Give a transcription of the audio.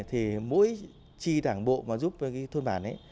thì mỗi tri đảng bộ mà giúp cho cái thôn bản ấy